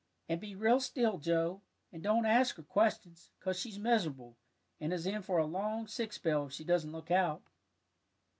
And be real still, Joe, and don't ask her questions, 'cause she's miserable, and is in for a long sick spell if she doesn't look out."